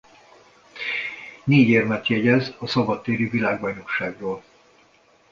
Négy érmet jegyez a szabadtéri világbajnokságról.